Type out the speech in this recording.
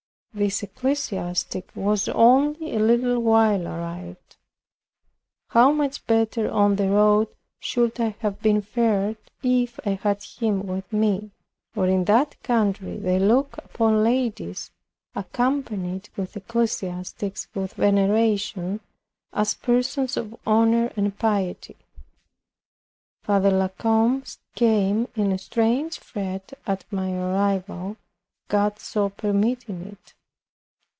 This ecclesiastic was only a little while arrived. How much better on the road should I have fared, if I had him with me! For in that country they look upon ladies, accompanied with ecclesiastics, with veneration, as persons of honor and piety. Father La Combe came in a strange fret at my arrival, God so permitting it.